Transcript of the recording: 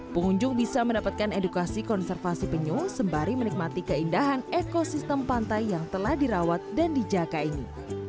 pengunjung bisa mendapatkan edukasi konservasi penyu sembari menikmati keindahan ekosistem pantai yang telah dirawat dan dijaga ini